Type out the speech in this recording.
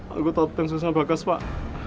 aku tau tentang sosial bagas pak